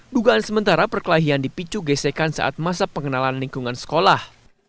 dugaan sementara perkelahian dipicu gesekan saat masa pengenalan lingkungan sekolah